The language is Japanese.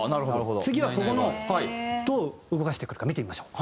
次はここのどう動かしてくるか見てみましょう。